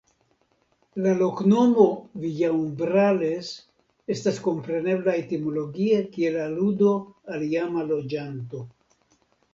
La loknomo "Villaumbrales" estas komprenebla etimologie kiel aludo al iama loĝanto.